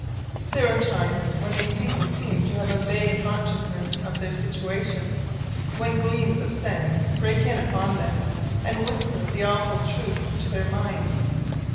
There are times when these people seem to have a vague consciousness of their situation; when gleams of sense break in upon them, and whisper the awful truth to their minds.